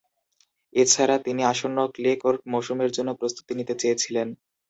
এছাড়া, তিনি আসন্ন ক্লে কোর্ট মৌসুমের জন্য প্রস্তুতি নিতে চেয়েছিলেন।